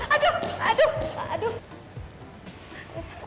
aduh aduh aduh